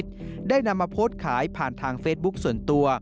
ได้นำมาโพสต์ขายผ่านทางเฟซบุ๊คส่วนตัว